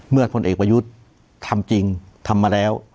เมื่อคนเอกไอ้ประยุทธ์ทำจริงทำมาแล้ว